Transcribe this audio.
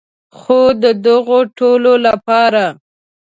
خو د دغو ټولو لپاره.